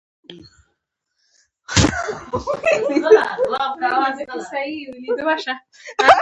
افغانستان تر هغو نه ابادیږي، ترڅو کتابخانې په ښارونو کې جوړې نشي.